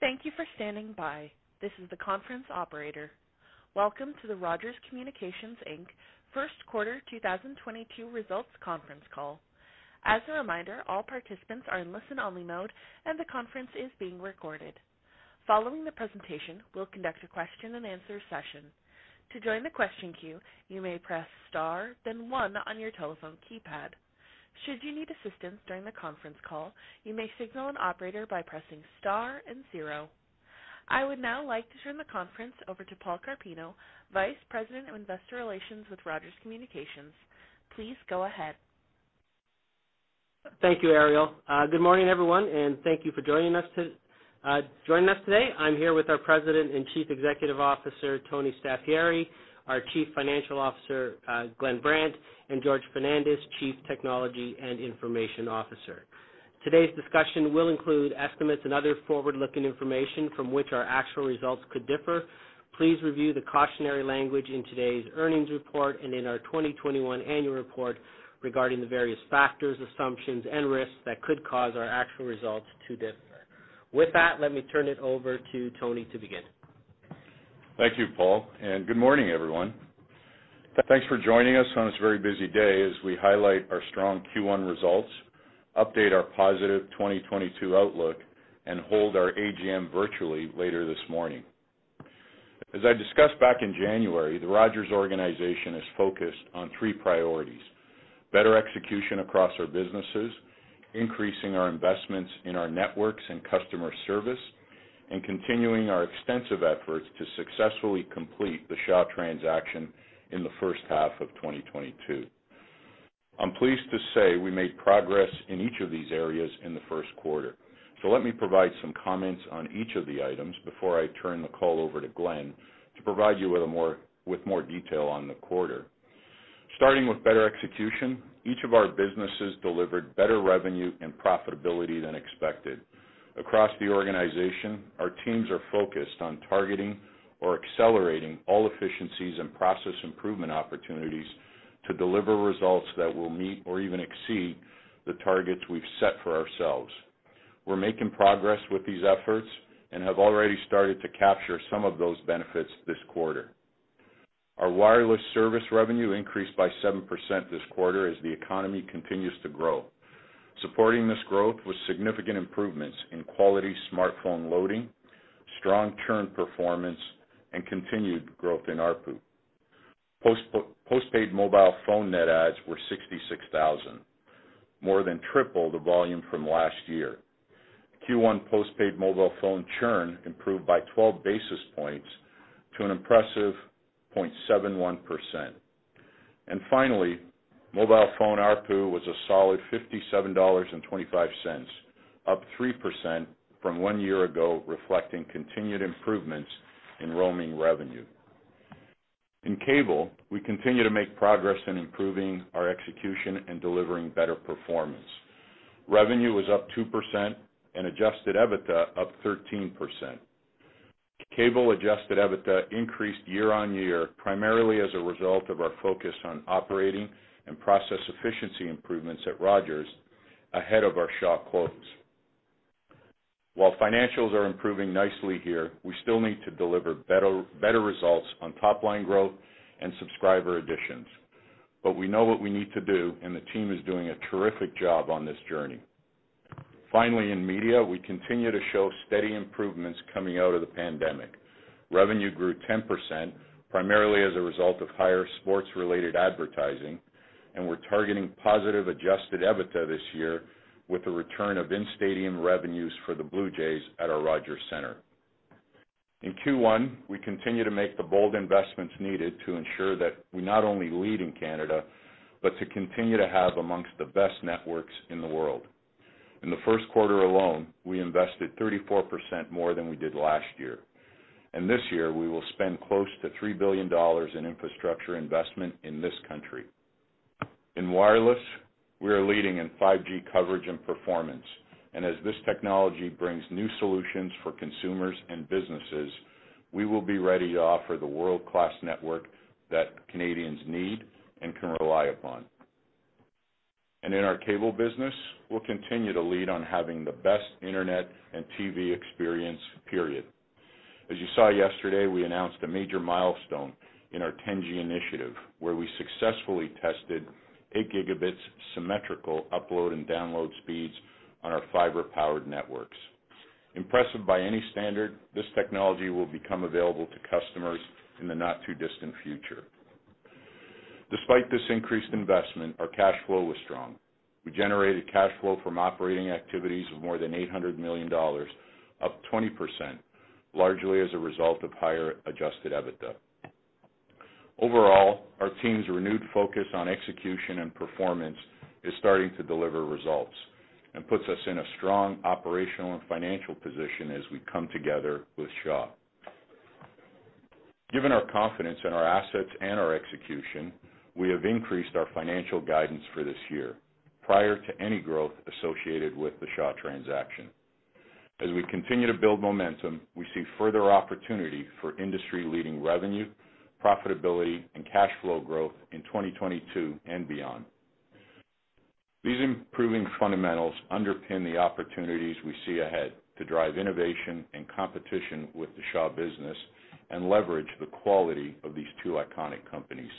Thank you for standing by. This is the conference operator. Welcome to the Rogers Communications Inc. First Quarter 2022 Results Conference Call. As a reminder, all participants are in listen-only mode, and the conference is being recorded. Following the presentation, we'll conduct a question-and-answer session. To join the question queue, you may press star, then one on your telephone keypad. Should you need assistance during the conference call, you may signal an operator by pressing star and zero. I would now like to turn the conference over to Paul Carpino, Vice President of Investor Relations with Rogers Communications. Please go ahead. Thank you, Ariel. Good morning, everyone, and thank you for joining us today. I'm here with our President and Chief Executive Officer, Tony Staffieri, our Chief Financial Officer, Glenn Brandt, and Jorge Fernandes, Chief Technology and Information Officer. Today's discussion will include estimates and other forward-looking information from which our actual results could differ. Please review the cautionary language in today's earnings report and in our 2021 annual report regarding the various factors, assumptions, and risks that could cause our actual results to differ. With that, let me turn it over to Tony to begin. Thank you, Paul, and good morning, everyone. Thanks for joining us on this very busy day as we highlight our strong Q1 results, update our positive 2022 outlook and hold our AGM virtually later this morning. As I discussed back in January, the Rogers organization is focused on three priorities: better execution across our businesses, increasing our investments in our networks and customer service, and continuing our extensive efforts to successfully complete the Shaw transaction in the 1st half of 2022. I'm pleased to say we made progress in each of these areas in the 1st quarter. Let me provide some comments on each of the items before I turn the call over to Glen to provide you with more detail on the quarter. Starting with better execution, each of our businesses delivered better revenue and profitability than expected. Across the organization, our teams are focused on targeting or accelerating all efficiencies and process improvement opportunities to deliver results that will meet or even exceed the targets we've set for ourselves. We're making progress with these efforts and have already started to capture some of those benefits this quarter. Our wireless service revenue increased by 7% this quarter as the economy continues to grow. Supporting this growth was significant improvements in quality smartphone loading, strong churn performance, and continued growth in ARPU. Postpaid mobile phone net adds were 66,000, more than triple the volume from last year. Q1 postpaid mobile phone churn improved by 12 basis points to an impressive 0.71%. Finally, mobile phone ARPU was a solid 57.25 dollars, up 3% from one year ago, reflecting continued improvements in roaming revenue. In cable, we continue to make progress in improving our execution and delivering better performance. Revenue was up 2% and adjusted EBITDA up 13%. Cable adjusted EBITDA increased year-on-year, primarily as a result of our focus on operating and process efficiency improvements at Rogers ahead of our Shaw close. While financials are improving nicely here, we still need to deliver better results on top line growth and subscriber additions. We know what we need to do, and the team is doing a terrific job on this journey. Finally, in media, we continue to show steady improvements coming out of the pandemic. Revenue grew 10%, primarily as a result of higher sports-related advertising, and we're targeting positive adjusted EBITDA this year with the return of in-stadium revenues for the Blue Jays at our Rogers Centre. In Q1, we continue to make the bold investments needed to ensure that we not only lead in Canada, but to continue to have amongst the best networks in the world. In the 1st quarter alone, we invested 34% more than we did last year. This year, we will spend close to 3 billion dollars in infrastructure investment in this country. In wireless, we are leading in 5G coverage and performance, and as this technology brings new solutions for consumers and businesses, we will be ready to offer the world-class network that Canadians need and can rely upon. In our cable business, we'll continue to lead on having the best internet and TV experience, period. As you saw yesterday, we announced a major milestone in our 10G initiative, where we successfully tested 8 Gb symmetrical upload and download speeds on our fiber-powered networks. Impressive by any standard, this technology will become available to customers in the not-too-distant future. Despite this increased investment, our cash flow was strong. We generated cash flow from operating activities of more than 800 million dollars, up 20%, largely as a result of higher adjusted EBITDA. Overall, our team's renewed focus on execution and performance is starting to deliver results and puts us in a strong operational and financial position as we come together with Shaw. Given our confidence in our assets and our execution, we have increased our financial guidance for this year prior to any growth associated with the Shaw transaction. As we continue to build momentum, we see further opportunity for industry-leading revenue, profitability, and cash flow growth in 2022 and beyond. These improving fundamentals underpin the opportunities we see ahead to drive innovation and competition with the Shaw business and leverage the quality of these two iconic companies.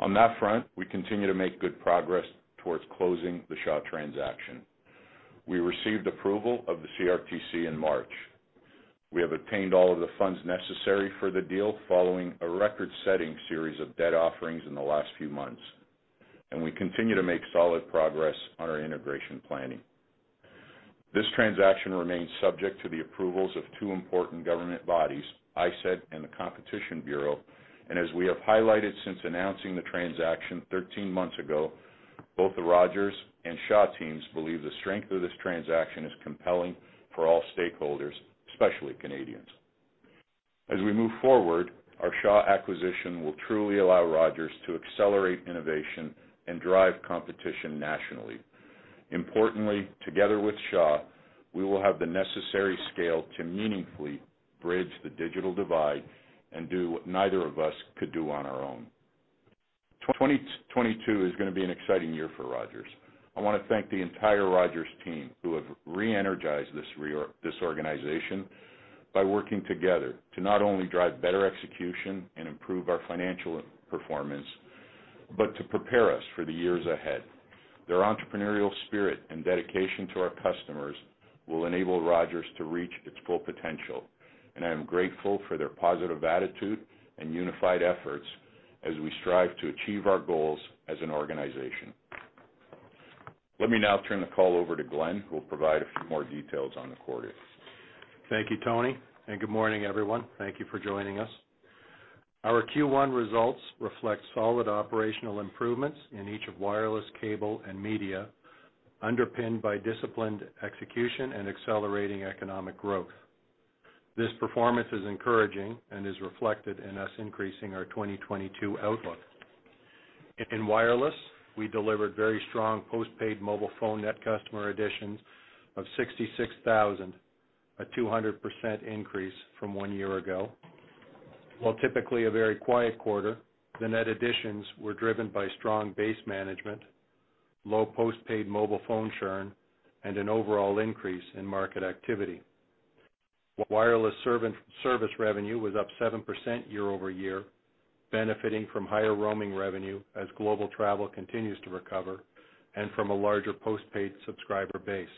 On that front, we continue to make good progress towards closing the Shaw transaction. We received approval of the CRTC in March. We have obtained all of the funds necessary for the deal following a record-setting series of debt offerings in the last few months, and we continue to make solid progress on our integration planning. This transaction remains subject to the approvals of two important government bodies, ISED and the Competition Bureau. As we have highlighted since announcing the transaction 13 months ago, both the Rogers and Shaw teams believe the strength of this transaction is compelling for all stakeholders, especially Canadians. As we move forward, our Shaw acquisition will truly allow Rogers to accelerate innovation and drive competition nationally. Importantly, together with Shaw, we will have the necessary scale to meaningfully bridge the digital divide and do what neither of us could do on our own. 2022 is gonna be an exciting year for Rogers. I wanna thank the entire Rogers team, who have re-energized this organization by working together to not only drive better execution and improve our financial performance, but to prepare us for the years ahead. Their entrepreneurial spirit and dedication to our customers will enable Rogers to reach its full potential, and I am grateful for their positive attitude and unified efforts as we strive to achieve our goals as an organization. Let me now turn the call over to Glenn, who will provide a few more details on the quarter. Thank you, Tony, and good morning, everyone. Thank you for joining us. Our Q1 results reflect solid operational improvements in each of Wireless, Cable and Media, underpinned by disciplined execution and accelerating economic growth. This performance is encouraging and is reflected in us increasing our 2022 outlook. In wireless, we delivered very strong postpaid mobile phone net customer additions of 66,000, a 200% increase from one year ago. While typically a very quiet quarter, the net additions were driven by strong base management, low postpaid mobile phone churn, and an overall increase in market activity. Wireless service revenue was up 7% year-over-year, benefiting from higher roaming revenue as global travel continues to recover and from a larger postpaid subscriber base.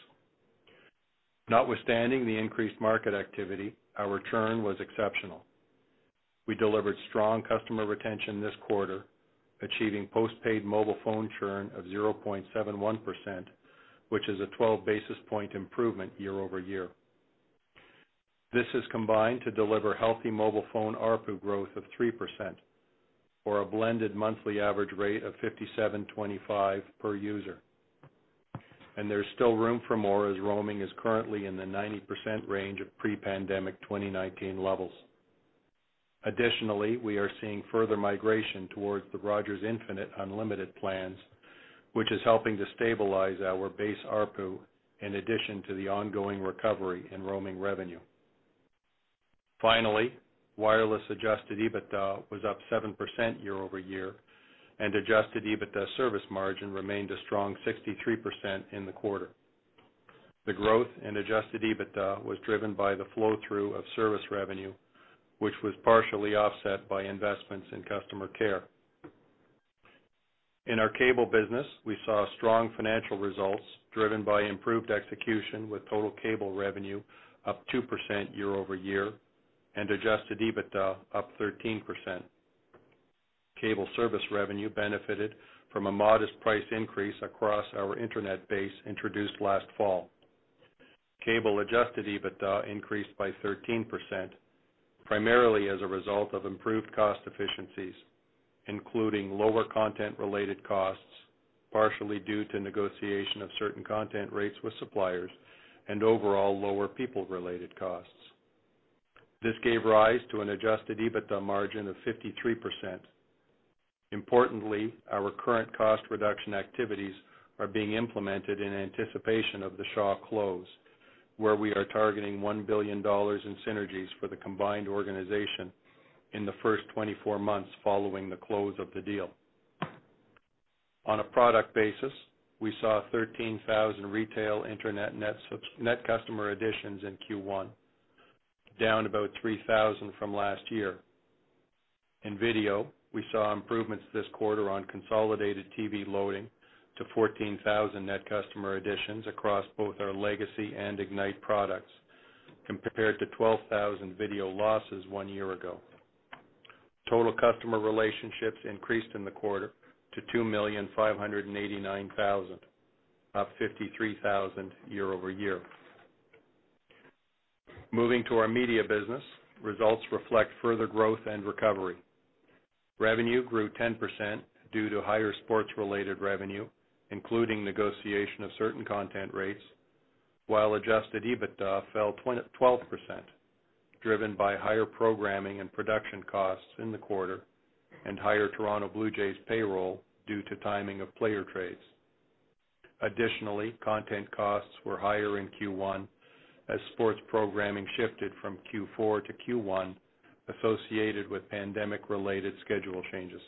Notwithstanding the increased market activity, our churn was exceptional. We delivered strong customer retention this quarter, achieving postpaid mobile phone churn of 0.71%, which is a 12 basis point improvement year-over-year. This has combined to deliver healthy mobile phone ARPU growth of 3% or a blended monthly average rate of 57.25 per user. There's still room for more as roaming is currently in the 90% range of pre-pandemic 2019 levels. Additionally, we are seeing further migration towards the Rogers Infinite unlimited plans, which is helping to stabilize our base ARPU in addition to the ongoing recovery in roaming revenue. Finally, wireless adjusted EBITDA was up 7% year-over-year, and adjusted EBITDA service margin remained a strong 63% in the quarter. The growth in adjusted EBITDA was driven by the flow-through of service revenue, which was partially offset by investments in customer care. In our cable business, we saw strong financial results driven by improved execution, with total cable revenue up 2% year-over-year and adjusted EBITDA up 13%. Cable service revenue benefited from a modest price increase across our internet base introduced last fall. Cable adjusted EBITDA increased by 13%, primarily as a result of improved cost efficiencies, including lower content-related costs, partially due to negotiation of certain content rates with suppliers and overall lower people-related costs. This gave rise to an adjusted EBITDA margin of 53%. Importantly, our current cost reduction activities are being implemented in anticipation of the Shaw close, where we are targeting 1 billion dollars in synergies for the combined organization in the 1st 24 months following the close of the deal. On a product basis, we saw 13,000 retail internet net customer additions in Q1, down about 3,000 from last year. In video, we saw improvements this quarter on consolidated TV loading to 14,000 net customer additions across both our legacy and Ignite products, compared to 12,000 video losses one year ago. Total customer relationships increased in the quarter to 2,589,000, up 53,000 year-over-year. Moving to our media business, results reflect further growth and recovery. Revenue grew 10% due to higher sports-related revenue, including negotiation of certain content rates, while adjusted EBITDA fell 12%, driven by higher programming and production costs in the quarter and higher Toronto Blue Jays payroll due to timing of player trades. Additionally, content costs were higher in Q1 as sports programming shifted from Q4 to Q1 associated with pandemic-related schedule changes.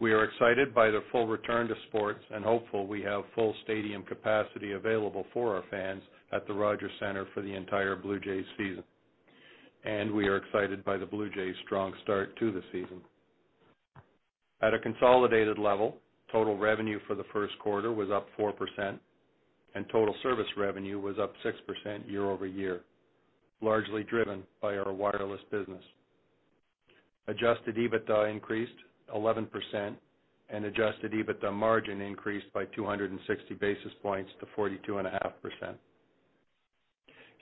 We are excited by the full return to sports and hopeful we have full stadium capacity available for our fans at the Rogers Centre for the entire Blue Jays season. We are excited by the Blue Jays strong start to the season. At a consolidated level, total revenue for the 1st quarter was up 4% and total service revenue was up 6% year-over-year, largely driven by our wireless business. Adjusted EBITDA increased 11%, and adjusted EBITDA margin increased by 260 basis points to 42.5%.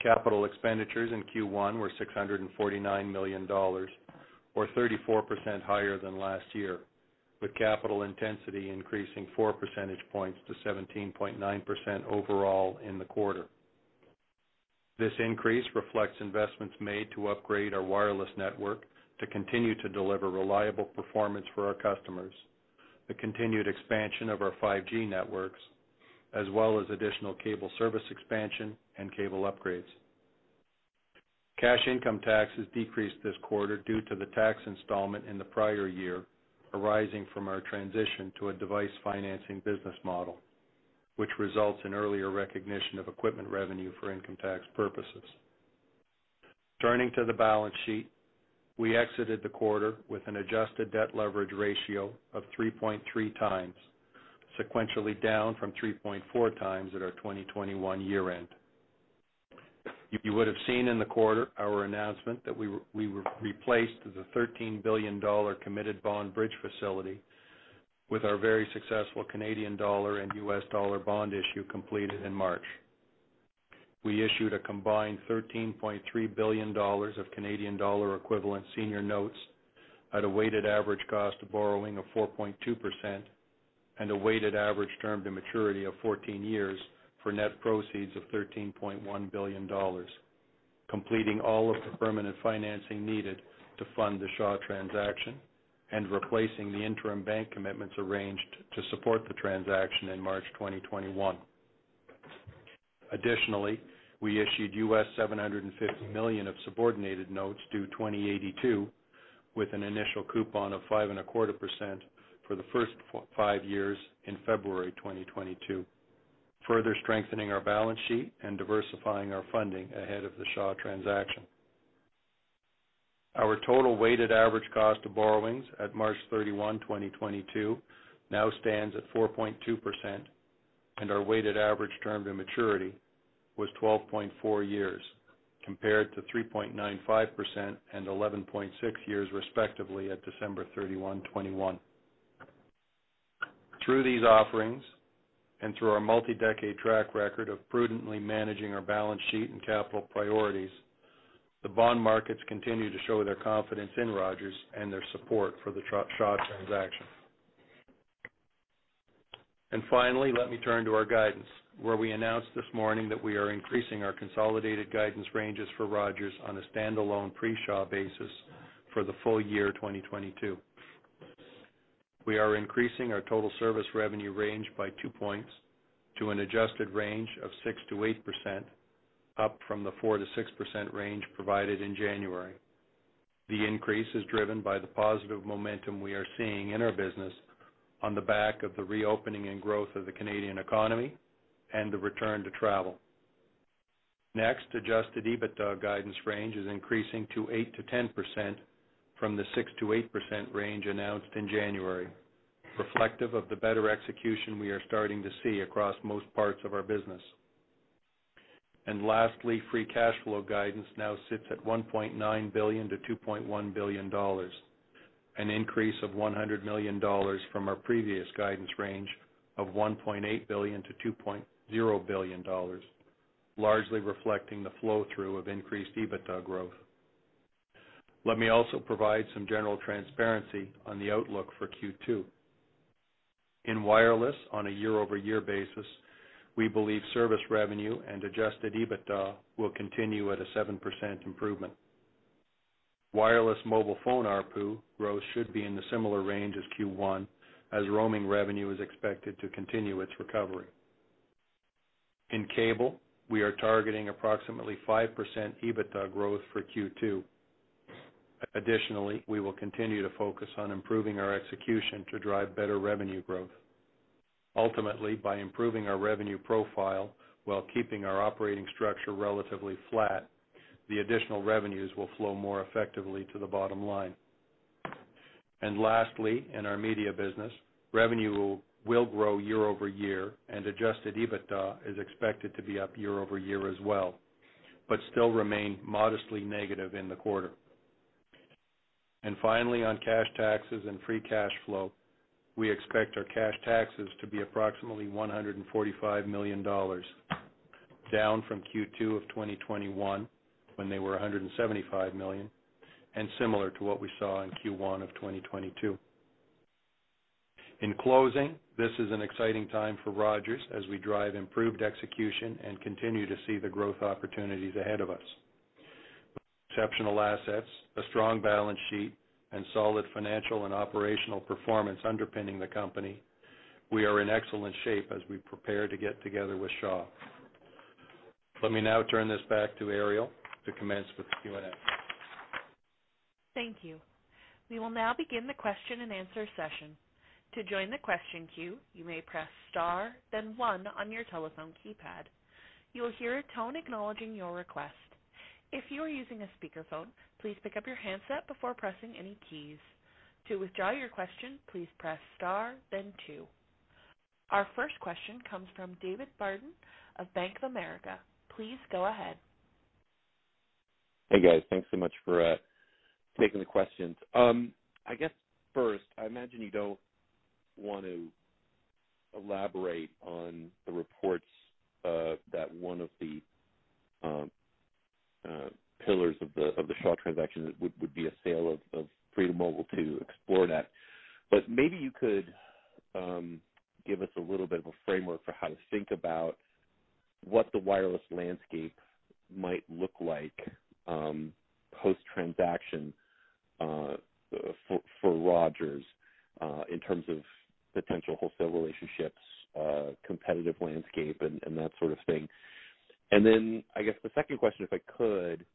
Capital expenditures in Q1 were 649 million dollars, or 34% higher than last year, with capital intensity increasing 4 percentage points to 17.9% overall in the quarter. This increase reflects investments made to upgrade our wireless network to continue to deliver reliable performance for our customers, the continued expansion of our 5G networks, as well as additional cable service expansion and cable upgrades. Cash income taxes decreased this quarter due to the tax installment in the prior year, arising from our transition to a device financing business model, which results in earlier recognition of equipment revenue for income tax purposes. Turning to the balance sheet, we exited the quarter with an adjusted debt leverage ratio of 3.3x, sequentially down from 3.4x at our 2021 year end. You would have seen in the quarter our announcement that we replaced the 13 billion dollar committed bond bridge facility with our very successful Canadian dollar and U.S. dollar bond issue completed in March. We issued a combined 13.3 billion dollars of Canadian dollar equivalent senior notes at a weighted average cost of borrowing of 4.2% and a weighted average term to maturity of 14 years for net proceeds of 13.1 billion dollars, completing all of the permanent financing needed to fund the Shaw transaction and replacing the interim bank commitments arranged to support the transaction in March 2021. Additionally, we issued $750 million of subordinated notes due 2082 with an initial coupon of 5.25% for the 1st five years in February 2022, further strengthening our balance sheet and diversifying our funding ahead of the Shaw transaction. Our total weighted average cost of borrowings at March 31, 2022 now stands at 4.2%, and our weighted average term to maturity was 12.4 years, compared to 3.95% and 11.6 years, respectively, at December 31, 2021. Through these offerings and through our multi-decade track record of prudently managing our balance sheet and capital priorities, the bond markets continue to show their confidence in Rogers and their support for the Shaw transaction. Finally, let me turn to our guidance, where we announced this morning that we are increasing our consolidated guidance ranges for Rogers on a stand-alone pre-Shaw basis for the full year 2022. We are increasing our total service revenue range by 2 points to an adjusted range of 6%-8%, up from the 4%-6% range provided in January. The increase is driven by the positive momentum we are seeing in our business on the back of the reopening and growth of the Canadian economy and the return to travel. Next, adjusted EBITDA guidance range is increasing to 8%-10% from the 6%-8% range announced in January, reflective of the better execution we are starting to see across most parts of our business. Lastly, free cash flow guidance now sits at 1.9 billion-2.1 billion dollars, an increase of 100 million dollars from our previous guidance range of 1.8 billion-2.0 billion dollars, largely reflecting the flow through of increased EBITDA growth. Let me also provide some general transparency on the outlook for Q2. In wireless, on a year-over-year basis, we believe service revenue and adjusted EBITDA will continue at a 7% improvement. Wireless mobile phone ARPU growth should be in the similar range as Q1 as roaming revenue is expected to continue its recovery. In cable, we are targeting approximately 5% EBITDA growth for Q2. Additionally, we will continue to focus on improving our execution to drive better revenue growth. Ultimately, by improving our revenue profile while keeping our operating structure relatively flat, the additional revenues will flow more effectively to the bottom line. Lastly, in our media business, revenue will grow year-over-year, and adjusted EBITDA is expected to be up year-over-year as well, but still remain modestly negative in the quarter. Finally, on cash taxes and free cash flow, we expect our cash taxes to be approximately 145 million dollars, down from Q2 of 2021, when they were 175 million, and similar to what we saw in Q1 of 2022. In closing, this is an exciting time for Rogers as we drive improved execution and continue to see the growth opportunities ahead of us. Exceptional assets, a strong balance sheet, and solid financial and operational performance underpinning the company. We are in excellent shape as we prepare to get together with Shaw. Let me now turn this back to Ariel to commence with the Q&A. Thank you. We will now begin the question and answer session. To join the question queue, you may press star then one on your telephone keypad. You will hear a tone acknowledging your request. If you are using a speakerphone, please pick up your handset before pressing any keys. To withdraw your question, please press star then two. Our 1st question comes from David Barden of Bank of America. Please go ahead. Hey, guys. Thanks so much for taking the questions. I guess 1st, I imagine you don't want to elaborate on the reports that one of the pillars of the Shaw transaction would be a sale of Freedom Mobile to Xplornet. Maybe you could give us a little bit of a framework for how to think about what the wireless landscape might look like post-transaction for Rogers in terms of potential wholesale relationships, competitive landscape and that sort of thing. I guess the 2nd question, if I could,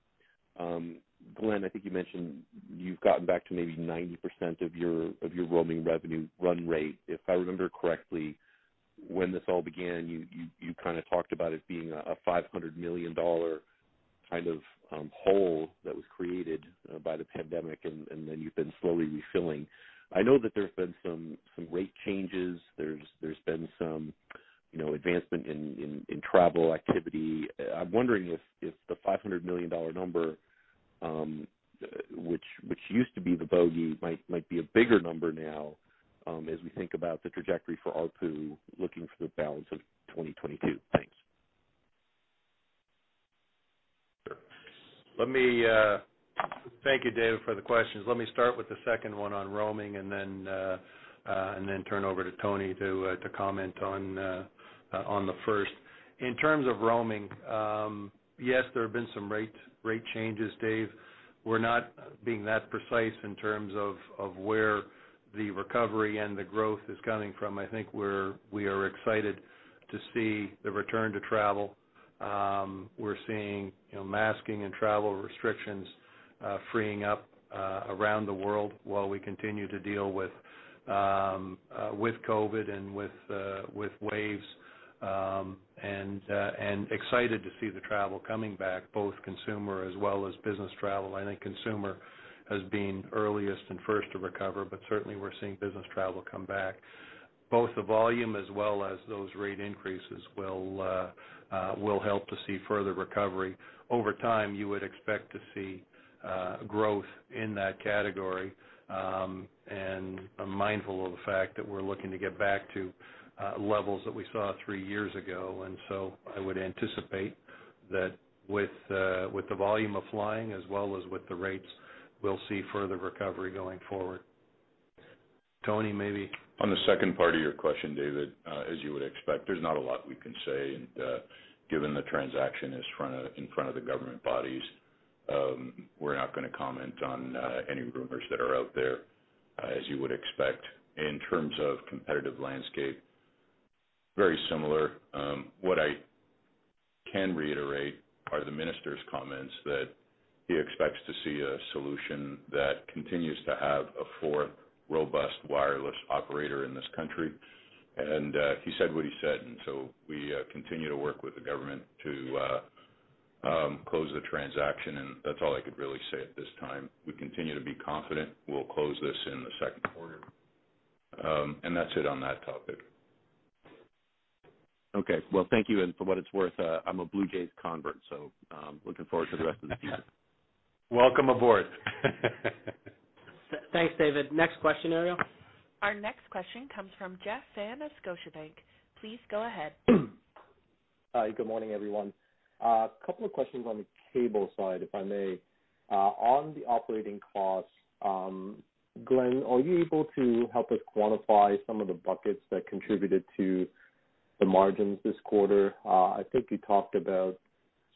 Glen, I think you mentioned you've gotten back to maybe 90% of your roaming revenue run rate. If I remember correctly, when this all began, you kind of talked about it being a 500 million dollar kind of hole that was created by the pandemic, and then you've been slowly refilling. I know that there's been some rate changes. There's been some, you know, advancement in travel activity. I'm wondering if the 500 million dollar number, which used to be the bogey, might be a bigger number now, as we think about the trajectory for ARPU, looking for the balance of 2022. Thanks. Sure. Thank you, David, for the questions. Let me start with the 2nd one on roaming and then turn over to Tony to comment on the 1st. In terms of roaming, yes, there have been some rate changes, Dave. We're not being that precise in terms of where the recovery and the growth is coming from. I think we are excited to see the return to travel. We're seeing, you know, masking and travel restrictions freeing up around the world while we continue to deal with COVID and with waves, and excited to see the travel coming back, both consumer as well as business travel. I think consumer has been earliest and 1st to recover, but certainly we're seeing business travel come back. Both the volume as well as those rate increases will help to see further recovery. Over time, you would expect to see growth in that category, and I'm mindful of the fact that we're looking to get back to levels that we saw three years ago. I would anticipate that with the volume of flying as well as with the rates, we'll see further recovery going forward. Tony, maybe. On the 2nd part of your question, David, as you would expect, there's not a lot we can say. Given the transaction is in front of the government bodies, we're not gonna comment on any rumors that are out there, as you would expect. In terms of competitive landscape, very similar. What I can reiterate are the minister's comments that he expects to see a solution that continues to have a 4th robust wireless operator in this country. He said what he said, and so we continue to work with the government to close the transaction, and that's all I could really say at this time. We continue to be confident we'll close this in the 2nd quarter. That's it on that topic. Okay. Well, thank you. For what it's worth, I'm a Blue Jays convert, so, looking forward to the rest of the season. Welcome aboard. Thanks, David. Next question, Ariel. Our next question comes from Jeff Fan of Scotiabank. Please go ahead. Hi, good morning, everyone. Couple of questions on the cable side, if I may. On the operating costs, Glen, are you able to help us quantify some of the buckets that contributed to the margins this quarter? I think you talked about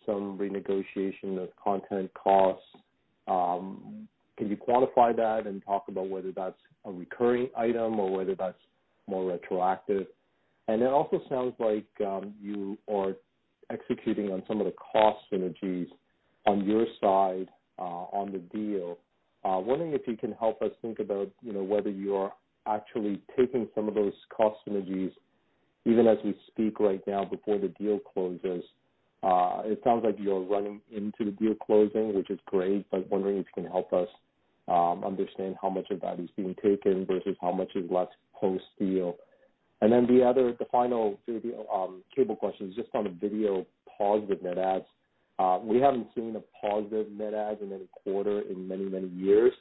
some renegotiation of content costs. Can you quantify that and talk about whether that's a recurring item or whether that's more retroactive? It also sounds like you are executing on some of the cost synergies on your side, on the deal. Wondering if you can help us think about, you know, whether you are actually taking some of those cost synergies even as we speak right now before the deal closes. It sounds like you're running into the deal closing, which is great, but wondering if you can help us understand how much of that is being taken versus how much is left post-deal. Then the other, the final sort of cable question is just on the video positive net adds. We haven't seen a positive net adds in any quarter in many, many years,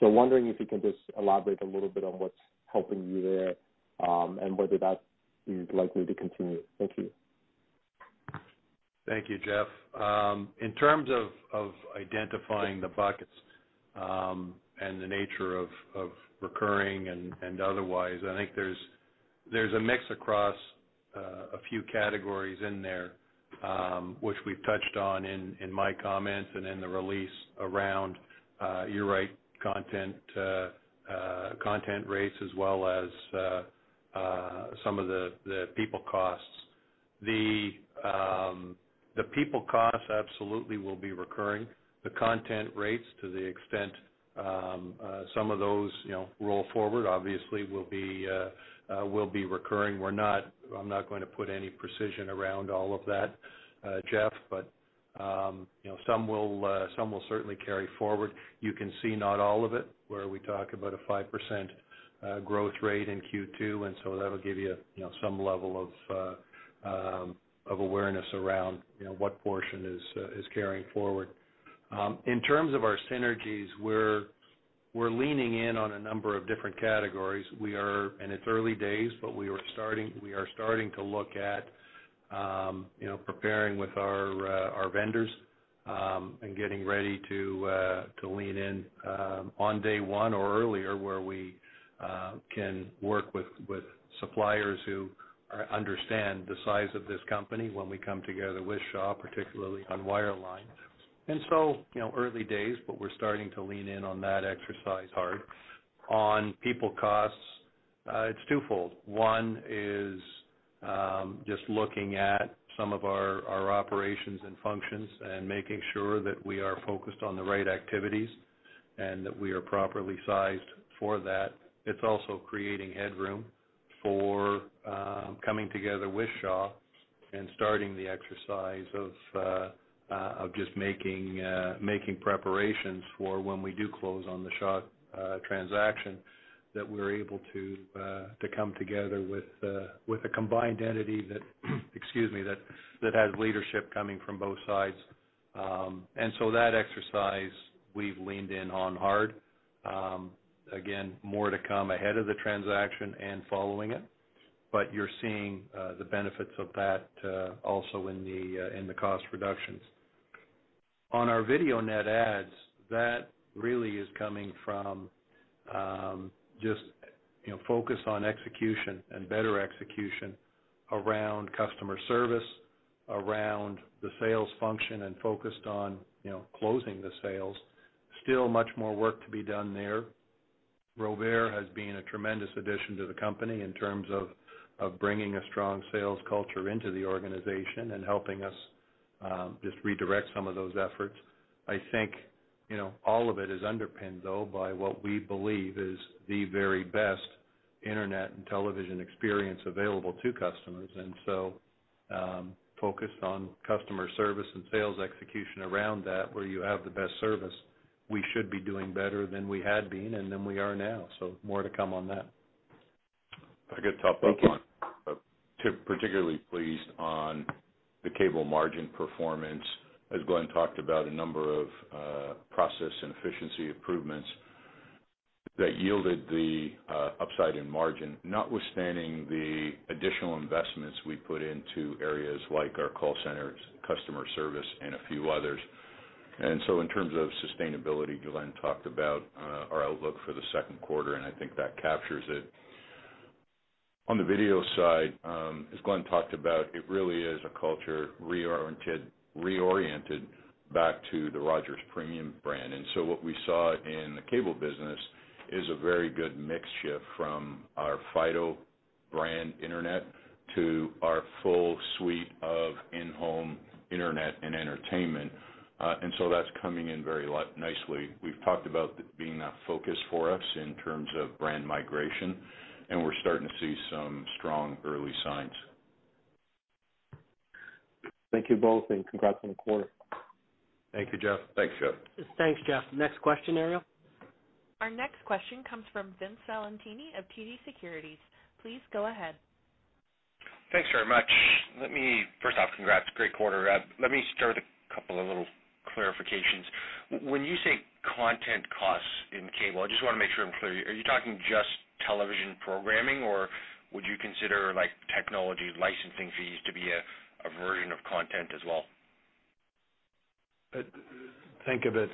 so wondering if you can just elaborate a little bit on what's helping you there, and whether that is likely to continue. Thank you. Thank you, Jeff. In terms of identifying the buckets, and the nature of recurring and otherwise, I think there's a mix across a few categories in there, which we've touched on in my comments and in the release around, you're right, content rates as well as some of the people costs. The people costs absolutely will be recurring. The content rates to the extent some of those, you know, roll forward obviously will be recurring. I'm not going to put any precision around all of that, Jeff, but you know, some will certainly carry forward. You can see not all of it where we talk about a 5% growth rate in Q2, and so that'll give you know, some level of awareness around, you know, what portion is carrying forward. In terms of our synergies, we're leaning in on a number of different categories. It's early days, but we are starting to look at preparing with our vendors and getting ready to lean in on day one or earlier, where we can work with suppliers who understand the size of this company when we come together with Shaw, particularly on wireline. You know, early days, but we're starting to lean in on that exercise hard. On people costs, it's twofold. One is just looking at some of our operations and functions and making sure that we are focused on the right activities and that we are properly sized for that. It's also creating headroom for coming together with Shaw and starting the exercise of just making preparations for when we do close on the Shaw transaction, that we're able to come together with a combined entity that has leadership coming from both sides. That exercise we've leaned in on hard. Again, more to come ahead of the transaction and following it. You're seeing the benefits of that also in the cost reductions. On our video net adds, that really is coming from, just, you know, focus on execution and better execution around customer service, around the sales function, and focused on, you know, closing the sales. Still much more work to be done there. Robert has been a tremendous addition to the company in terms of bringing a strong sales culture into the organization and helping us, just redirect some of those efforts. I think, you know, all of it is underpinned though by what we believe is the very best internet and television experience available to customers. Focused on customer service and sales execution around that, where you have the best service, we should be doing better than we had been and than we are now. More to come on that. If I could top up on- Thank you. Particularly pleased on the cable margin performance. As Glen talked about, a number of process and efficiency improvements that yielded the upside in margin, notwithstanding the additional investments we put into areas like our call centers, customer service, and a few others. In terms of sustainability, Glen talked about our outlook for the 2nd quarter, and I think that captures it. On the video side, as Glen talked about, it really is a culture reoriented back to the Rogers premium brand. What we saw in the cable business is a very good mix shift from our Fido brand internet to our full suite of in-home internet and entertainment. That's coming in very nicely. We've talked about it being a focus for us in terms of brand migration, and we're starting to see some strong early signs. Thank you both, and congrats on the quarter. Thank you, Jeff. Thanks, Jeff. Thanks, Jeff. Next question, Ariel. Our next question comes from Vince Valentini of TD Securities. Please go ahead. Thanks very much. First off, congrats. Great quarter. Let me start with a couple of little clarifications. When you say content costs in cable, I just wanna make sure I'm clear. Are you talking just television programming, or would you consider, like, technology licensing fees to be a version of content as well? Think of it,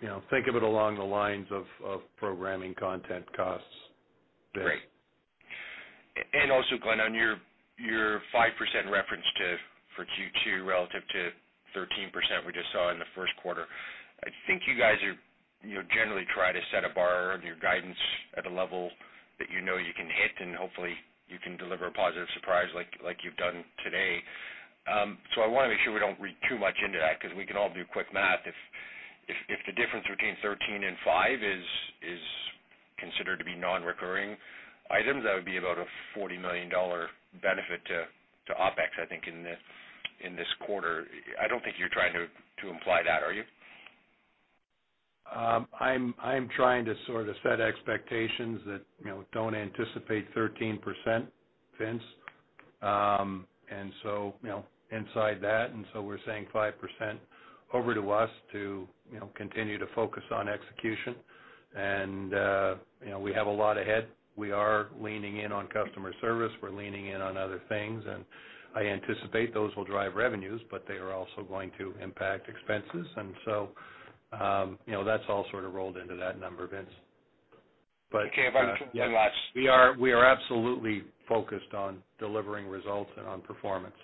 you know, along the lines of programming content costs, Vince. Great. Also, Glenn, on your 5% reference to, for Q2 relative to 13% we just saw in the 1st quarter, I think you guys are, you know, generally try to set a bar of your guidance at a level that you know you can hit, and hopefully you can deliver a positive surprise like you've done today. So I wanna make sure we don't read too much into that because we can all do quick math. If the difference between 13% and 5% is considered to be non-recurring items, that would be about a 40 million dollar benefit to OpEx, I think, in this quarter. I don't think you're trying to imply that, are you? I'm trying to sort of set expectations that, you know, don't anticipate 13%, Vince. You know, inside that, we're saying 5% over the next two to, you know, continue to focus on execution. You know, we have a lot ahead. We are leaning in on customer service. We're leaning in on other things, and I anticipate those will drive revenues, but they are also going to impact expenses. You know, that's all sort of rolled into that number, Vince. Okay. If I can jump one last. Yeah, we are absolutely focused on delivering results and on performance.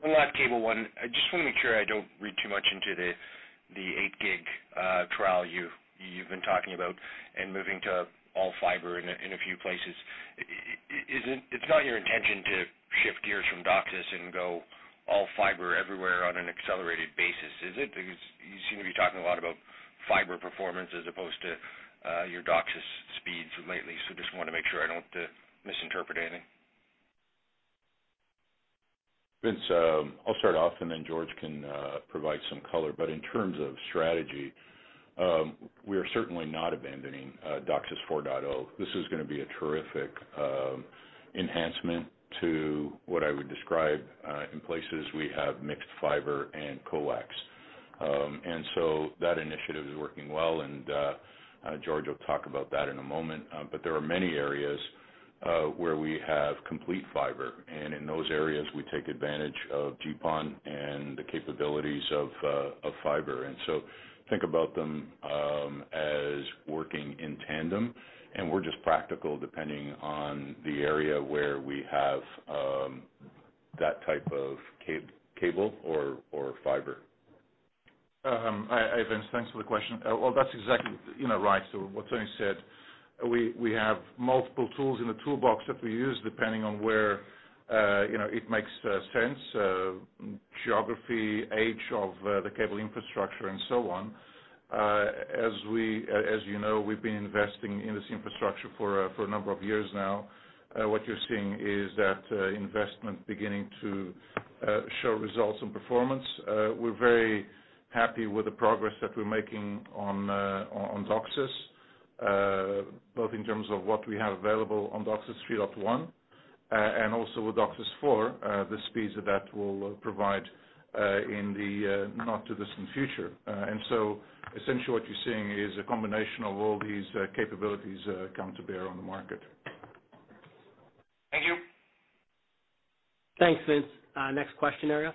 One last cable one. I just wanna make sure I don't read too much into the 8 Gb trial you've been talking about and moving to all fiber in a few places. It's not your intention to shift gears from DOCSIS and go all fiber everywhere on an accelerated basis, is it? Because you seem to be talking a lot about fiber performance as opposed to your DOCSIS speeds lately. Just wanna make sure I don't misinterpret anything. Vince, I'll start off, and then Jorge can provide some color. In terms of strategy, we are certainly not abandoning DOCSIS 4.0. This is gonna be a terrific enhancement to what I would describe in places we have mixed fiber and coax. That initiative is working well, and Jorge will talk about that in a moment. There are many areas where we have complete fiber, and in those areas, we take advantage of GPON and the capabilities of fiber. Think about them as working in tandem, and we're just practical depending on the area where we have that type of cable or fiber. Hi, Vince. Thanks for the question. Well, that's exactly, you know, right, so what Tony said. We have multiple tools in the toolbox that we use depending on where, you know, it makes sense, geography, age of the cable infrastructure and so on. As you know, we've been investing in this infrastructure for a number of years now. What you're seeing is that investment beginning to show results and performance. We're very happy with the progress that we're making on DOCSIS, both in terms of what we have available on DOCSIS 3.1, and also with DOCSIS 4.0, the speeds that will provide in the not too distant future. Essentially what you're seeing is a combination of all these capabilities come to bear on the market. Thank you. Thanks, Vince. Next question, Ariel.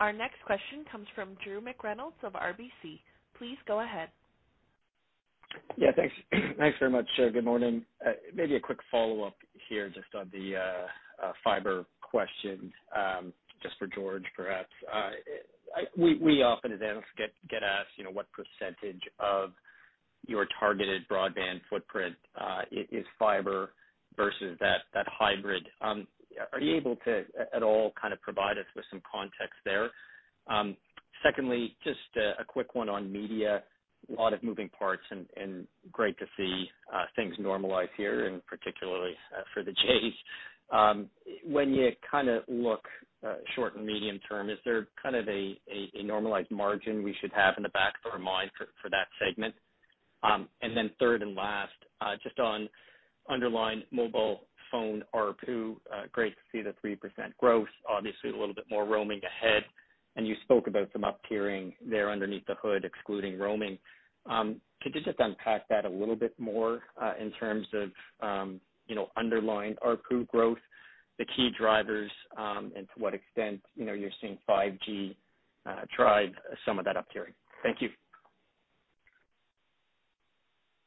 Our next question comes from Drew McReynolds of RBC Capital Markets. Please go ahead. Yeah, thanks. Thanks very much. Good morning. Maybe a quick follow-up here just on the fiber question, just for George, perhaps. We analysts often get asked, you know, what percentage of your targeted broadband footprint is fiber versus that hybrid. Are you able to at all kind of provide us with some context there? Secondly, just a quick one on media. A lot of moving parts and great to see things normalize here, and particularly for the Jays. When you look short and medium term, is there a normalized margin we should have in the back of our mind for that segment? And then 3rd and last, just on underlying mobile phone ARPU, great to see the 3% growth. Obviously, a little bit more roaming ahead. You spoke about some up-tiering there underneath the hood, excluding roaming. Could you just unpack that a little bit more, in terms of, you know, underlying ARPU growth, the key drivers, and to what extent, you know, you're seeing 5G drive some of that up-tiering? Thank you.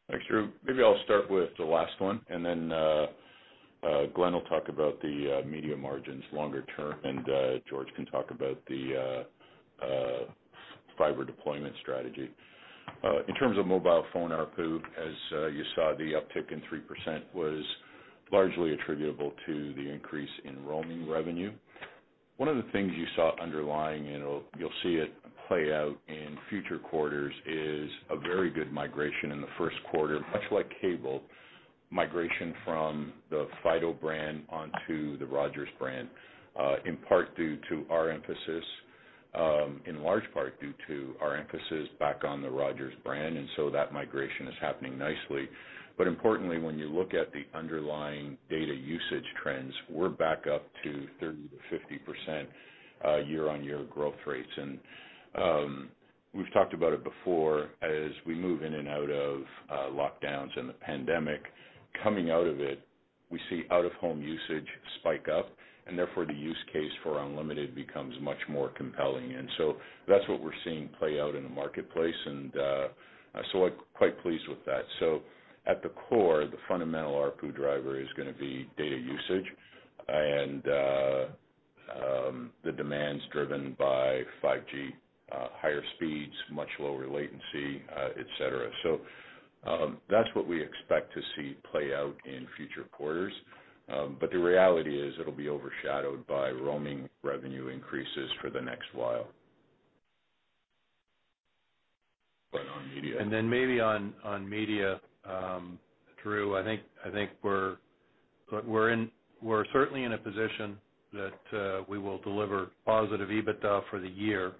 Thanks, Drew. Maybe I'll start with the last one, and then Glenn will talk about the media margins longer term, and George can talk about the fiber deployment strategy. In terms of mobile phone ARPU, as you saw the uptick in 3% was largely attributable to the increase in roaming revenue. One of the things you saw underlying, and you'll see it play out in future quarters, is a very good migration in the 1st quarter, much like cable, migration from the Fido brand onto the Rogers brand, in part due to our emphasis, in large part due to our emphasis back on the Rogers brand, and so that migration is happening nicely. Importantly, when you look at the underlying data usage trends, we're back up to 30%-50% year-on-year growth rates. We've talked about it before, as we move in and out of lockdowns and the pandemic, coming out of it, we see out-of-home usage spike up, and therefore, the use case for unlimited becomes much more compelling. That's what we're seeing play out in the marketplace, and so I'm quite pleased with that. At the core, the fundamental ARPU driver is gonna be data usage and the demands driven by 5G, higher speeds, much lower latency, et cetera. That's what we expect to see play out in future quarters. The reality is it'll be overshadowed by roaming revenue increases for the next while. On media. Maybe on media, Drew, I think we're certainly in a position that we will deliver positive EBITDA for the year.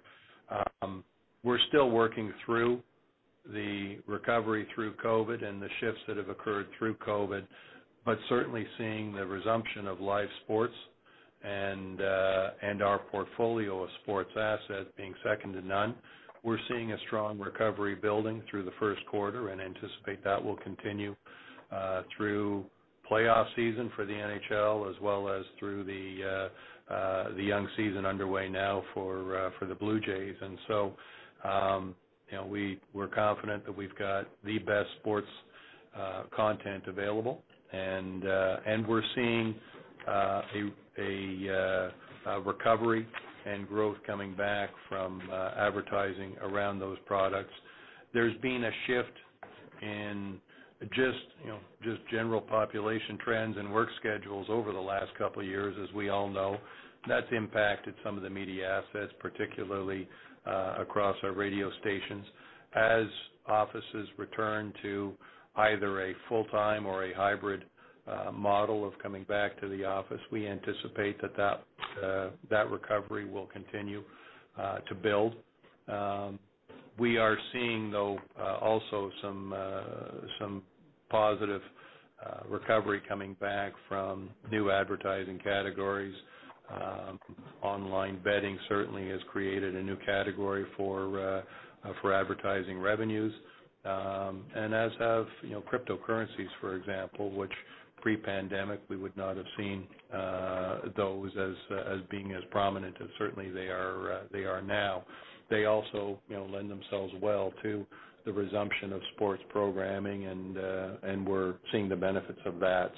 We're still working through the recovery through COVID and the shifts that have occurred through COVID, but certainly seeing the resumption of live sports and our portfolio of sports assets being 2nd to none. We're seeing a strong recovery building through the 1st quarter and anticipate that will continue through playoff season for the NHL as well as through the young season underway now for the Blue Jays. You know, we're confident that we've got the best sports Content available. We're seeing a recovery and growth coming back from advertising around those products. There's been a shift in just, you know, just general population trends and work schedules over the last couple of years, as we all know. That's impacted some of the media assets, particularly across our radio stations. As offices return to either a full-time or a hybrid model of coming back to the office, we anticipate that that recovery will continue to build. We are seeing, though, also some positive recovery coming back from new advertising categories. Online betting certainly has created a new category for advertising revenues, and as have cryptocurrencies, for example, which pre-pandemic we would not have seen those as being as prominent as certainly they are now. They also, you know, lend themselves well to the resumption of sports programming, and we're seeing the benefits of that.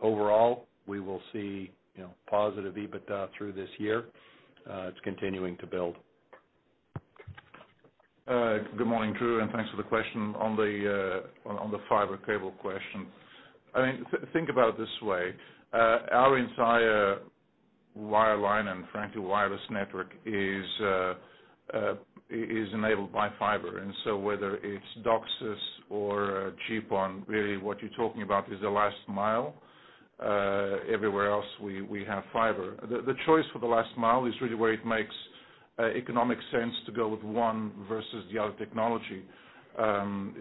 Overall, we will see, you know, positive EBITDA through this year. It's continuing to build. Good morning, Drew, and thanks for the question. On the fiber cable question, I mean, think about it this way. Our entire wireline, and frankly, wireless network is enabled by fiber. Whether it's DOCSIS or GPON, really what you're talking about is the last mile. Everywhere else, we have fiber. The choice for the last mile is really where it makes economic sense to go with one versus the other technology. You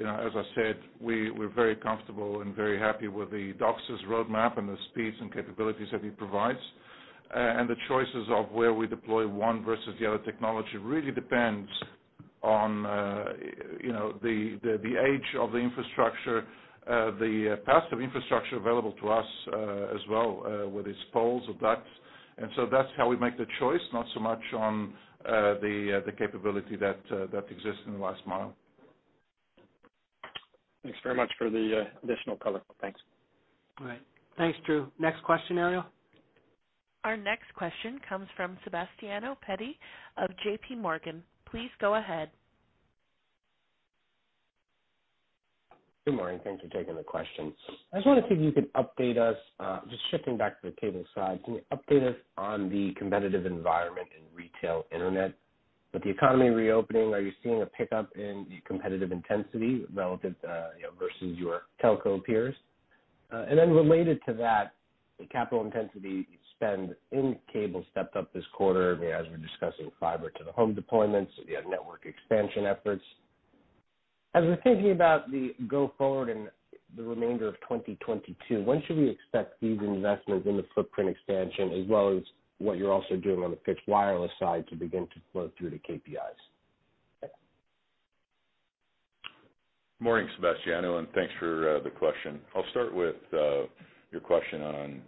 know, as I said, we're very comfortable and very happy with the DOCSIS roadmap and the speeds and capabilities that it provides. The choices of where we deploy one versus the other technology really depends on, you know, the age of the infrastructure, the path of infrastructure available to us, as well, whether it's poles or ducts. That's how we make the choice, not so much on the capability that exists in the last mile. Thanks very much for the additional color. Thanks. All right. Thanks, Drew. Next question, Ariel. Our next question comes from Sebastiano Petti of J.P. Morgan. Please go ahead. Good morning. Thanks for taking the question. I was wondering if you could update us, just shifting back to the cable side, can you update us on the competitive environment in retail internet? With the economy reopening, are you seeing a pickup in the competitive intensity relative, you know, versus your telco peers? Related to that, the capital intensity spend in cable stepped up this quarter, I mean, as we're discussing fiber to the home deployments, so you have network expansion efforts. As we're thinking about the go forward in the remainder of 2022, when should we expect these investments in the footprint expansion as well as what you're also doing on the fixed wireless side to begin to flow through the KPIs? Morning, Sebastiano, and thanks for the question. I'll start with your question on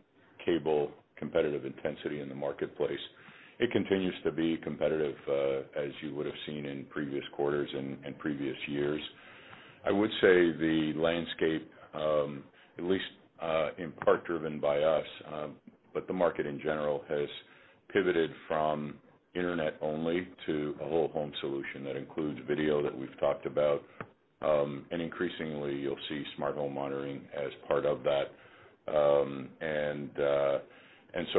cable competitive intensity in the marketplace. It continues to be competitive, as you would have seen in previous quarters and previous years. I would say the landscape, at least in part driven by us, but the market in general has pivoted from internet only to a whole home solution that includes video that we've talked about. Increasingly, you'll see smart home monitoring as part of that.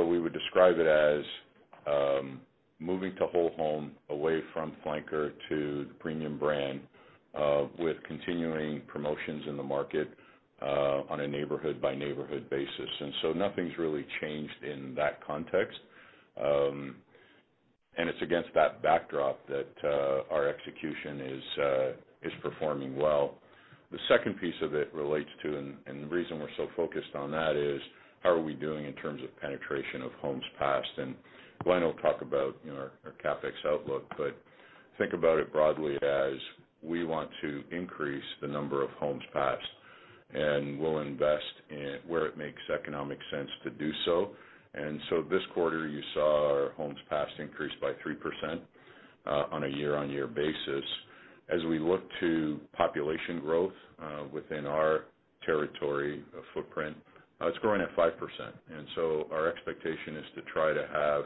We would describe it as moving to whole home away from flanker to premium brand, with continuing promotions in the market, on a neighborhood by neighborhood basis. Nothing's really changed in that context. It's against that backdrop that our execution is performing well. The 2nd piece of it relates to the reason we're so focused on that is, how are we doing in terms of penetration of homes passed? Glenn will talk about our CapEx outlook. Think about it broadly as we want to increase the number of homes passed, and we'll invest in where it makes economic sense to do so. This quarter, you saw our homes passed increase by 3% on a year-on-year basis. As we look to population growth within our territory footprint, it's growing at 5%. Our expectation is to try to have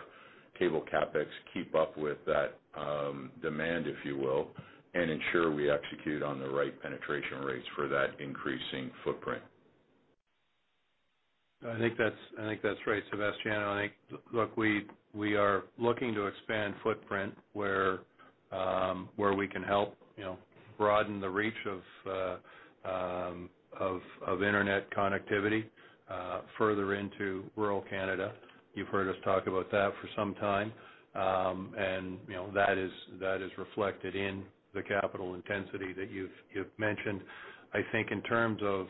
cable CapEx keep up with that demand, if you will, and ensure we execute on the right penetration rates for that increasing footprint. I think that's right, Sebastiano. I think, look, we are looking to expand footprint where we can help, you know, broaden the reach of internet connectivity further into rural Canada. You've heard us talk about that for some time. You know, that is reflected in the capital intensity that you've mentioned. I think in terms of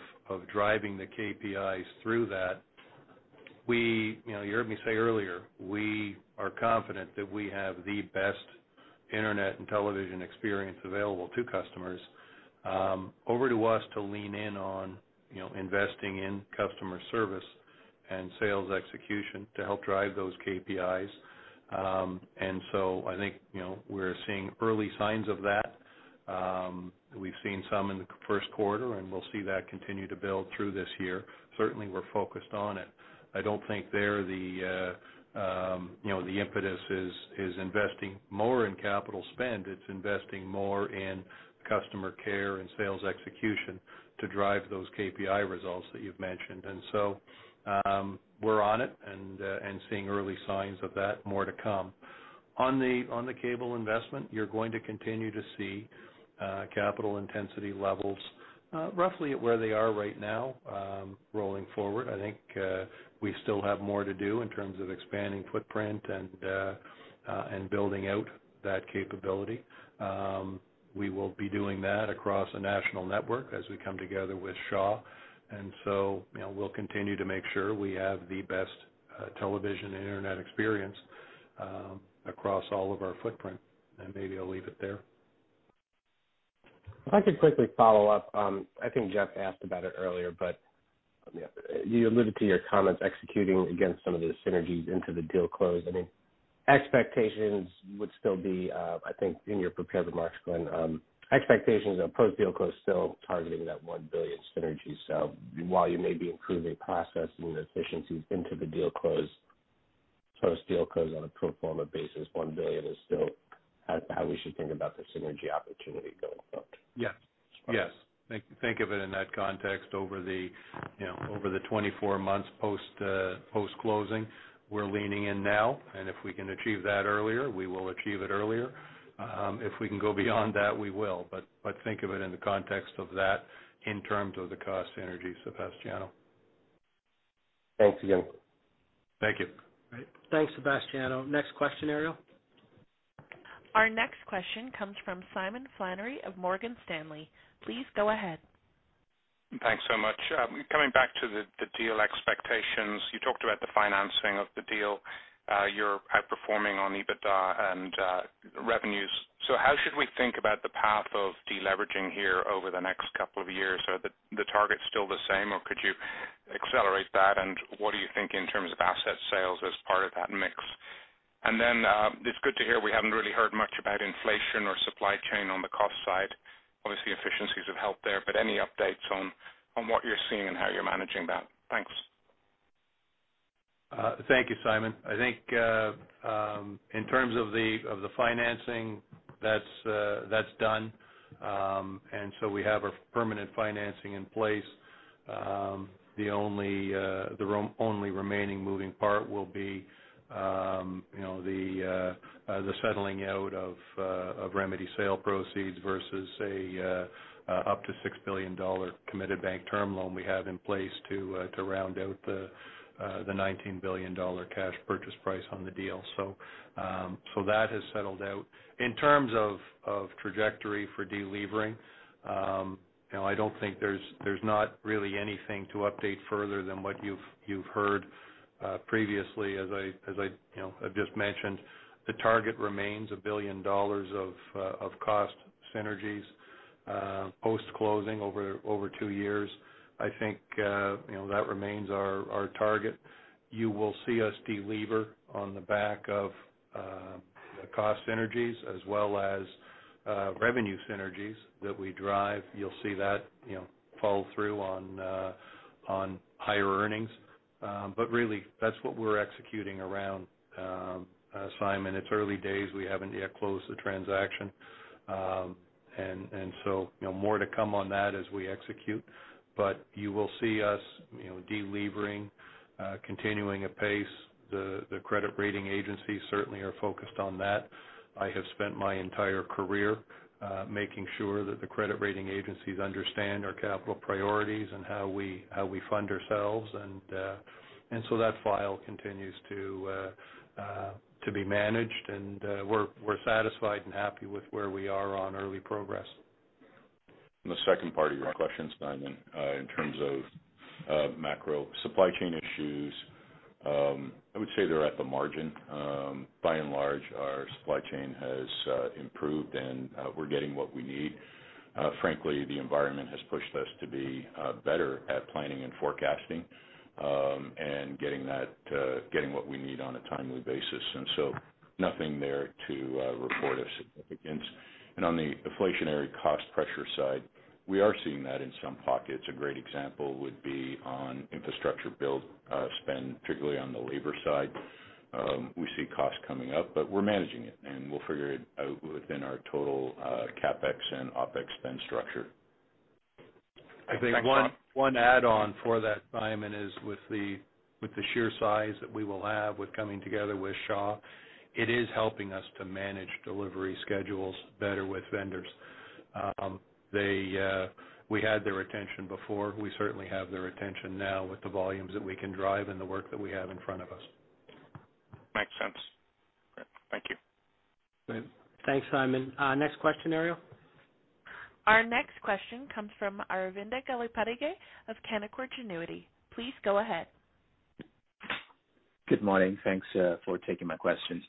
driving the KPIs through that, you know, you heard me say earlier, we are confident that we have the best internet and television experience available to customers. Over to us to lean in on, you know, investing in customer service and sales execution to help drive those KPIs. I think, you know, we're seeing early signs of that. We've seen some in the 1st quarter, and we'll see that continue to build through this year. Certainly, we're focused on it. I don't think they're the, you know, the impetus is investing more in capital spend. It's investing more in customer care and sales execution to drive those KPIs that you've mentioned. We're on it and seeing early signs of that, more to come. On the cable investment, you're going to continue to see capital intensity levels roughly at where they are right now, rolling forward. I think we still have more to do in terms of expanding footprint and building out that capability. We will be doing that across a national network as we come together with Shaw. You know, we'll continue to make sure we have the best television internet experience across all of our footprint. Maybe I'll leave it there. If I could quickly follow up. I think Jeff asked about it earlier, but, you know, you alluded to your comments executing against some of the synergies into the deal close. I mean, expectations would still be, I think in your prepared remarks, Glenn, expectations are post-deal close, still targeting that 1 billion synergy. While you may be improving processes and efficiencies into the deal close, post-deal close on a pro forma basis, 1 billion is still how we should think about the synergy opportunity going forward. Yes. Think of it in that context over the, you know, over the 24 months post-closing. We're leaning in now, and if we can achieve that earlier, we will achieve it earlier. If we can go beyond that, we will. Think of it in the context of that in terms of the cost synergies, Sebastiano. Thanks again. Thank you. Great. Thanks, Sebastiano. Next question, Ariel. Our next question comes from Simon Flannery of Morgan Stanley. Please go ahead. Thanks so much. Coming back to the deal expectations, you talked about the financing of the deal, you're outperforming on EBITDA and revenues. How should we think about the path of deleveraging here over the next couple of years? Are the targets still the same, or could you accelerate that? What do you think in terms of asset sales as part of that mix? Then, it's good to hear we haven't really heard much about inflation or supply chain on the cost side. Obviously, efficiencies have helped there, but any updates on what you're seeing and how you're managing that? Thanks. Thank you, Simon. I think in terms of the financing, that's done. We have a permanent financing in place. The only remaining moving part will be you know the settling out of remedy sale proceeds versus a up to 6 billion dollar committed bank term loan we have in place to round out the 19 billion dollar cash purchase price on the deal. That has settled out. In terms of trajectory for delevering, I don't think there's not really anything to update further than what you've heard previously as I've just mentioned. The target remains 1 billion dollars of cost synergies post-closing over two years. I think, you know, that remains our target. You will see us delever on the back of, the cost synergies as well as, revenue synergies that we drive. You'll see that, you know, follow through on higher earnings. Really, that's what we're executing around, Simon. It's early days, we haven't yet closed the transaction. You know, more to come on that as we execute. You will see us, you know, delevering, continuing apace. The credit rating agencies certainly are focused on that. I have spent my entire career, making sure that the credit rating agencies understand our capital priorities and how we fund ourselves. That file continues to be managed, and we're satisfied and happy with where we are on early progress. The 2nd part of your question, Simon, in terms of macro supply chain issues, I would say they're at the margin. By and large, our supply chain has improved, and we're getting what we need. Frankly, the environment has pushed us to be better at planning and forecasting, and getting what we need on a timely basis. Nothing there to report of significance. On the inflationary cost pressure side, we are seeing that in some pockets. A great example would be on infrastructure build spend, particularly on the labor side. We see costs coming up, but we're managing it, and we'll figure it out within our total CapEx and OpEx spend structure. I think one add-on for that, Simon, is with the sheer size that we will have with coming together with Shaw. It is helping us to manage delivery schedules better with vendors. We had their attention before. We certainly have their attention now with the volumes that we can drive and the work that we have in front of us. Makes sense. Great. Thank you. Great. Thanks, Simon. Next question, Ariel. Our next question comes from Aravinda Galappatthige of Canaccord Genuity. Please go ahead. Good morning. Thanks for taking my questions.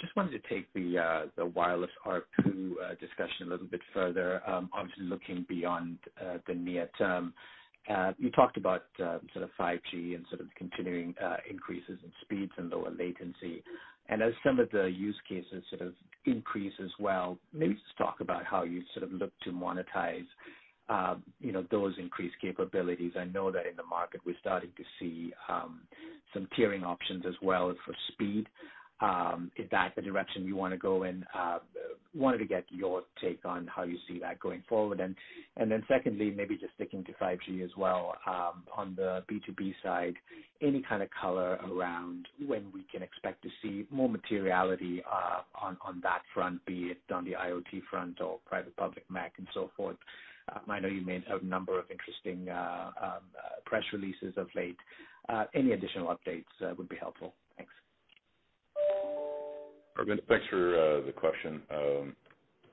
Just wanted to take the wireless ARPU discussion a little bit further, obviously looking beyond the near term. You talked about sort of 5G and sort of continuing increases in speeds and lower latency. As some of the use cases sort of increase as well, maybe just talk about how you sort of look to monetize you know those increased capabilities. I know that in the market we're starting to see some tiering options as well for speed. Is that the direction you wanna go in? Wanted to get your take on how you see that going forward. Secondly, maybe just sticking to 5G as well, on the B2B side, any kind of color around when we can expect to see more materiality, on that front, be it on the IoT front or private public MEC and so forth. I know you made a number of interesting press releases of late. Any additional updates would be helpful. Thanks. Aravinda, thanks for the question.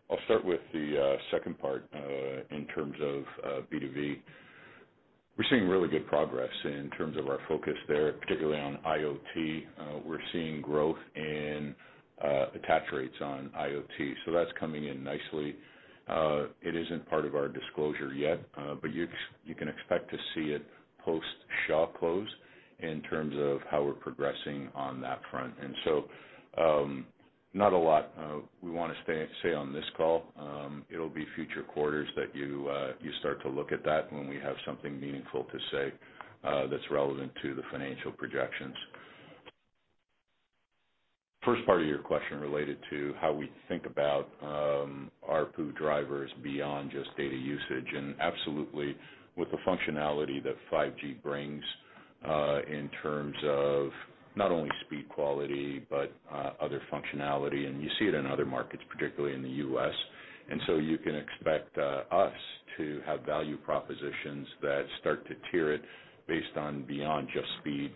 I'll start with the 2nd part, in terms of B2B. We're seeing really good progress in terms of our focus there, particularly on IoT. We're seeing growth in attach rates on IoT, so that's coming in nicely. It isn't part of our disclosure yet, but you can expect to see it post Shaw close in terms of how we're progressing on that front. Not a lot we wanna say on this call. It'll be future quarters that you start to look at that when we have something meaningful to say, that's relevant to the financial projections. First part of your question related to how we think about ARPU drivers beyond just data usage. Absolutely, with the functionality that 5G brings, in terms of not only speed, quality but other functionality, and you see it in other markets, particularly in the U.S. You can expect us to have value propositions that start to tier it based on beyond just speed.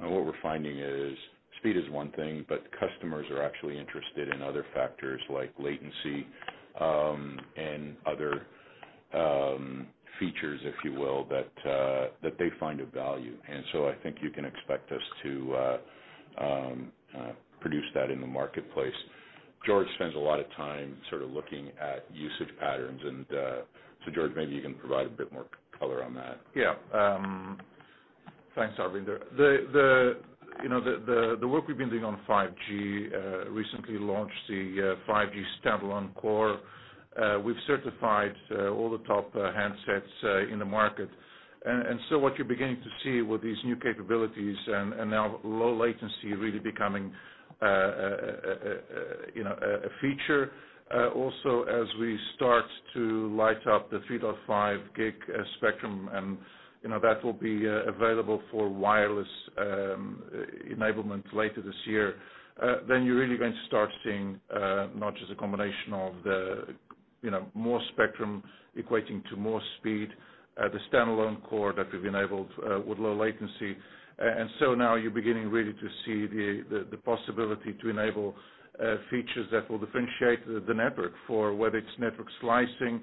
What we're finding is speed is one thing, but customers are actually interested in other factors like latency, and other features, if you will, that they find of value. I think you can expect us to produce that in the marketplace. Jorge spends a lot of time sort of looking at usage patterns and, Jorge, maybe you can provide a bit more color on that. Yeah. Thanks, Aravinda. The work we've been doing on 5G. We've recently launched the 5G standalone core. We've certified all the top handsets in the market. What you're beginning to see with these new capabilities and now low latency really becoming you know a feature also as we start to light up the 3.5 GHz spectrum, and you know that will be available for wireless enablement later this year. You're really going to start seeing not just a combination of the you know more spectrum equating to more speed, the standalone core that we've enabled with low latency. Now you're beginning really to see the possibility to enable features that will differentiate the network. For whether it's network slicing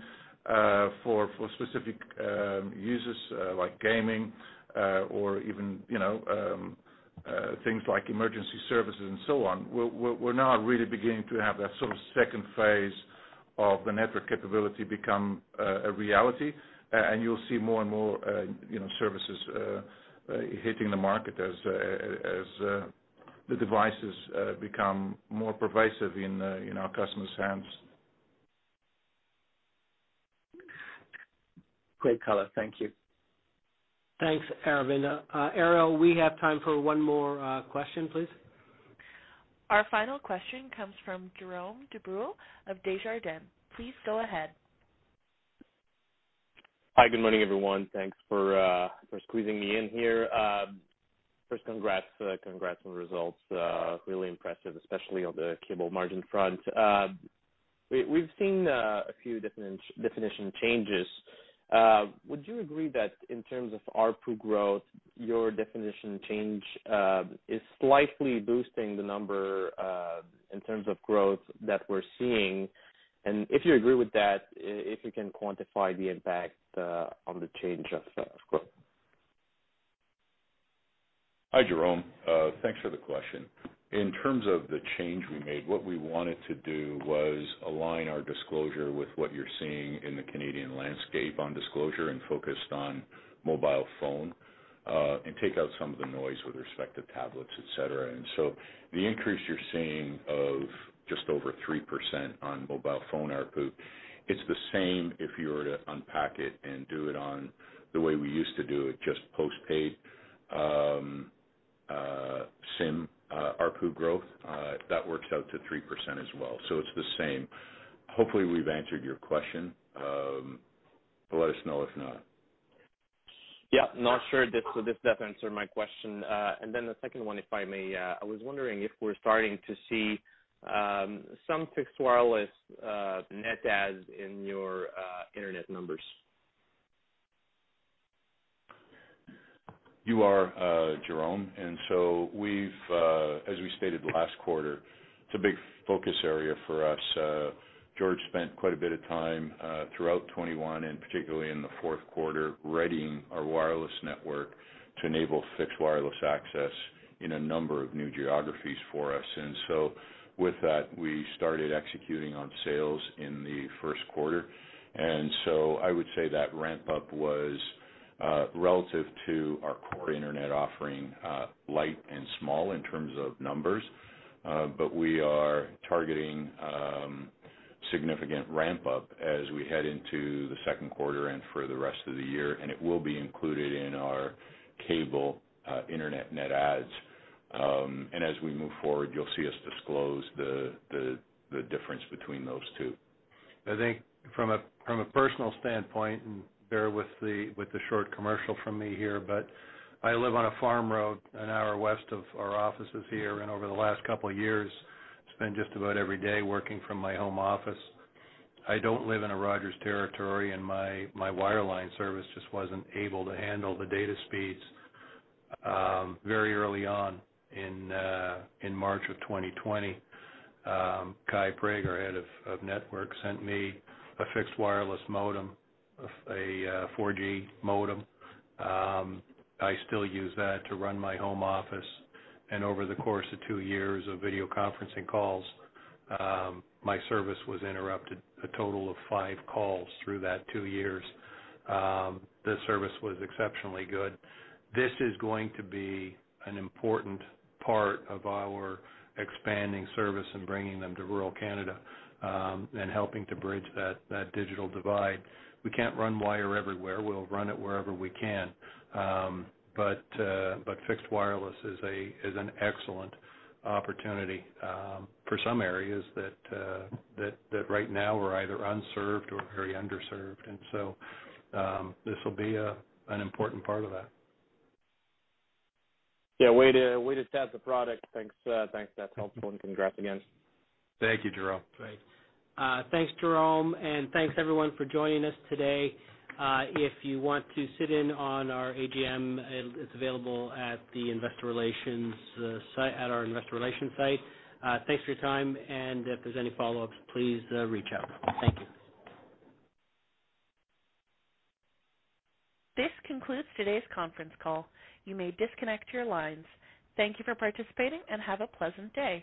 for specific users like gaming or even, you know, things like emergency services and so on. We're now really beginning to have that sort of 2nd phase of the network capability become a reality, and you'll see more and more, you know, services hitting the market as the devices become more pervasive in our customers' hands. Great color. Thank you. Thanks, Aravinda. Ariel, we have time for one more question, please. Our final question comes from Jérome Dubreuil of Desjardins. Please go ahead. Hi, good morning, everyone. Thanks for squeezing me in here. First congrats on the results. Really impressive, especially on the cable margin front. We've seen a few definition changes. Would you agree that in terms of ARPU growth, your definition change is slightly boosting the number in terms of growth that we're seeing? If you agree with that, if you can quantify the impact on the change of growth? Hi, Jérome. Thanks for the question. In terms of the change we made, what we wanted to do was align our disclosure with what you're seeing in the Canadian landscape on disclosure and focused on mobile phone, and take out some of the noise with respect to tablets, et cetera. The increase you're seeing of just over 3% on mobile phone ARPU, it's the same if you were to unpack it and do it on the way we used to do it, just post-paid SIM ARPU growth. That works out to 3% as well, so it's the same. Hopefully, we've answered your question. Let us know if not. Yeah. No, sure. This does answer my question. The 2nd one, if I may. I was wondering if we're starting to see some fixed wireless net adds in your internet numbers. You are Jérome. We've stated last quarter, it's a big focus area for us. Jorge spent quite a bit of time throughout 2021, and particularly in the 4th quarter, readying our wireless network to enable Fixed Wireless Access in a number of new geographies for us. With that, we started executing on sales in the 1st quarter. I would say that ramp up was relative to our core internet offering, light and small in terms of numbers. But we are targeting significant ramp up as we head into the 2nd quarter and for the rest of the year, and it will be included in our cable internet net adds. As we move forward, you'll see us disclose the difference between those two. I think from a personal standpoint, and bear with the short commercial from me here, but I live on a farm road one hour west of our offices here, and over the last couple of years, spent just about every day working from my home office. I don't live in a Rogers territory, and my wireline service just wasn't able to handle the data speeds. Very early on in March of 2020, Kye Prater, head of network, sent me a fixed wireless modem, a 4G modem. I still use that to run my home office. Over the course of two years of video conferencing calls, my service was interrupted a total of five calls through that two years. The service was exceptionally good. This is going to be an important part of our expanding service and bringing them to rural Canada, and helping to bridge that digital divide. We can't run wire everywhere. We'll run it wherever we can. Fixed wireless is an excellent opportunity for some areas that right now are either unserved or very underserved. This will be an important part of that. Yeah, way to test the product. Thanks, thanks. That's helpful, and congrats again. Thank you, Jérome. Thanks. Thanks, Jérome, and thanks everyone for joining us today. If you want to sit in on our AGM, it's available at the investor relations site, at our investor relations site. Thanks for your time, and if there's any follow-ups, please reach out. Thank you. This concludes today's conference call. You may disconnect your lines. Thank you for participating and have a pleasant day.